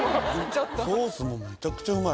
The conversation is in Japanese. ソースもむちゃくちゃうまい。